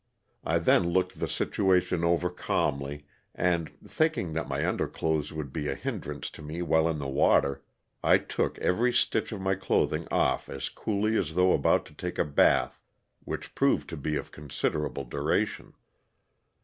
I then looked the situation over calmly, and, thinking that my underclothes would be a hin drance to me while in the water, I took every stitch of my clothing off as coolly as though about to take a bath which proved to be of considerable duration.